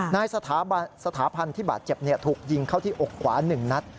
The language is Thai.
นายสถาพันธ์ที่บาดเจ็บถูกยิงเข้าที่อกขวา๑นัด